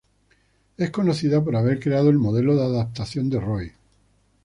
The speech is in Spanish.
Es conocida por haber creado el modelo de adaptación de Roy.